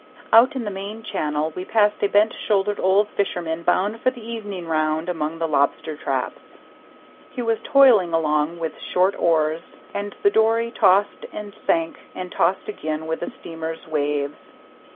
Out in the main channel we passed a bent shouldered old fisherman bound for the evening round among his lobster traps. He was toiling along with short oars, and the dory tossed and sank and tossed again with the steamer's waves.